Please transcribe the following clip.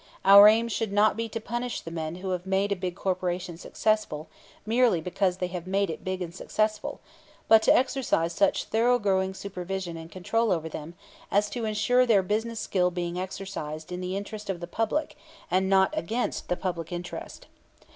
Our aim should not be to punish the men who have made a big corporation successful merely because they have made it big and successful, but to exercise such thoroughgoing supervision and control over them as to insure their business skill being exercised in the interest of the public and not against the public interest.